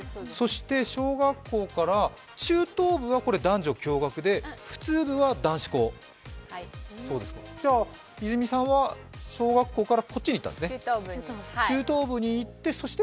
小学校から中等部は男女共学で、普通部は男子校じゃあ泉さんは小学校からこっちに行ったんですね、中頭部にいって、そして？